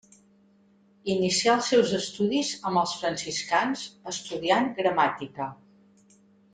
Inicià els seus estudis amb els franciscans estudiant gramàtica.